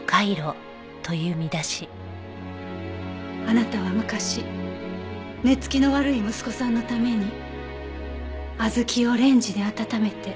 あなたは昔寝つきの悪い息子さんのために小豆をレンジで温めて。